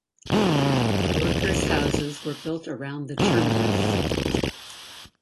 Workers' houses were built around the terminus.